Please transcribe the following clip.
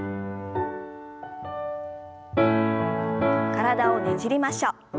体をねじりましょう。